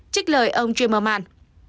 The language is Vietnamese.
trích lời ông jimmerman